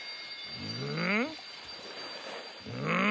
うん？